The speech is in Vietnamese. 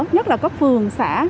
nhất là cấp phường xã